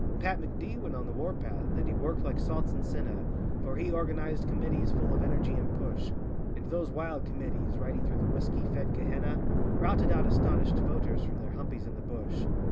Pat M'D. went on the war path, and he worked like salts and senna, For he organised committees full of energy and push; And those wild committees riding through the whisky fed Gehenna Routed out astonished voters from their humpies in the bush.